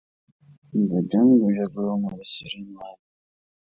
د جنګ و جګړو مبصرین وایي.